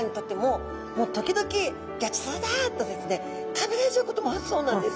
食べられちゃうこともあるそうなんです。